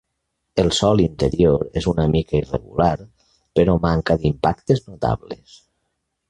El sòl interior és una mica irregular, però manca d'impactes notables.